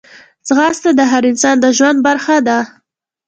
ځغاسته د هر انسان د ژوند برخه ده